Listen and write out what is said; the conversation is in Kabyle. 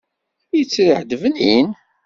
Yettriḥ-d bnin.